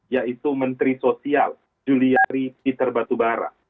yaitu menteri sosial juliari peter batubara